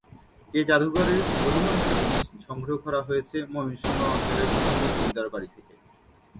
এ জাদুঘরের অধিকাংশ জিনিস সংগ্রহ করা হয়েছে ময়মনসিংহ অঞ্চলের বিভিন্ন জমিদার বাড়ি থেকে।